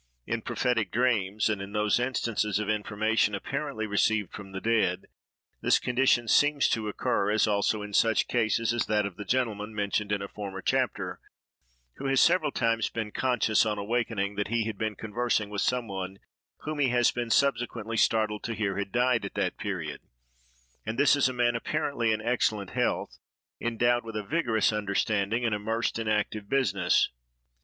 In prophetic dreams, and in those instances of information apparently received from the dead, this condition seems to occur; as also in such cases as that of the gentleman mentioned in a former chapter, who has several times been conscious, on awaking, that he had been conversing with some one, whom he has been subsequently startled to hear had died at that period, and this is a man apparently in excellent health, endowed with a vigorous understanding, and immersed in active business.